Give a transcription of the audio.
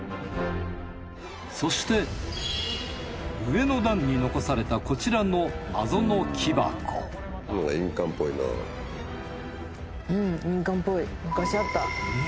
そして上の段に残されたこちらの印鑑っぽいな。